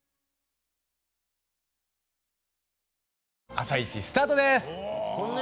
「あさイチ」スタートです。